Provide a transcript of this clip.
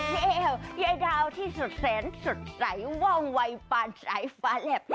ไม่เก่ยายดาวที่สุดแสนสุดใสว่องวัยป่าใสฟ้าแหลบ